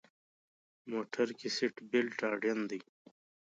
موټر کې سیټ بیلټ اړین دی.